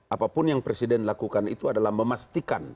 apapun yang presiden lakukan itu adalah memastikan